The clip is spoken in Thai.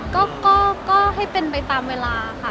ก็ให้เป็นไปตามเวลาค่ะ